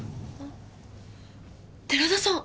寺田さん！？